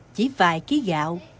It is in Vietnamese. chỉ vài ký gạo